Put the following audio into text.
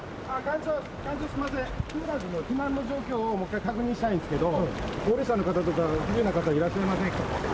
館長、すみません、避難の状況をもう一回確認したいんですけど、高齢者の方とか、不自由な方はいらっしゃいませんか？